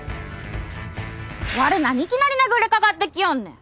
われなにいきなり殴りかかってきよんねん！